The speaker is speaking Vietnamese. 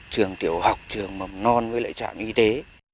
trường tiểu học trường mầm non với lại trạm y tế